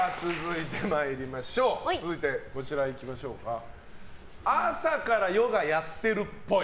続いて朝からヨガやってるっぽい。